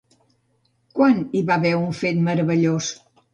Quan hi va haver un fet meravellós?